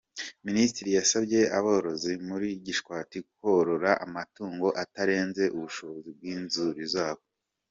Minisitiri yasabye aborozi muri Gishwati korora amatungo atarenze ubushobozi bw’inzuri zabo.